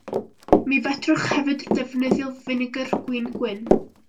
Mi fedrwch hefyd ddefnyddio finegr gwin gwyn.